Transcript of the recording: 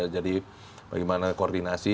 jadi bagaimana koordinasi